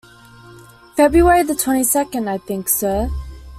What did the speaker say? February the twenty-second, I think, sir.